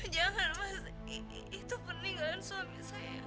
jangan mas itu peninggalan suami saya